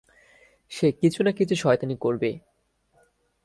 সে কিছু না কিছু শয়তানি করবে।